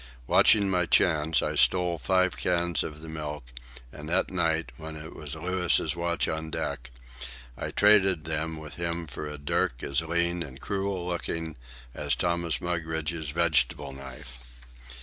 Watching my chance, I stole five cans of the milk, and that night, when it was Louis's watch on deck, I traded them with him for a dirk as lean and cruel looking as Thomas Mugridge's vegetable knife.